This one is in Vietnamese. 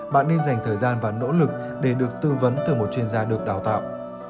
bạn nên dành thời gian và nỗ lực để được tư vấn từ một chuyên gia được đào tạo